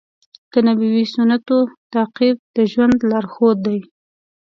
د نبوي سنتونو تعقیب د ژوند لارښود دی.